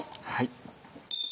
はい。